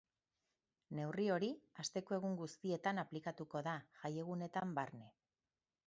Neurri hori asteko egun guztietan aplikatuko da, jaiegunetan barne.